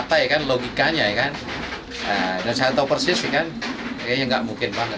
set mata logikanya dan saya tahu persis kayaknya nggak mungkin banget